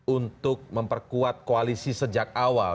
untuk memperkuat koalisi sejak awal